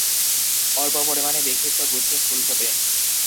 অল্প পরিমাণে বিক্ষিপ্ত গুচ্ছে ফুল ফোটে।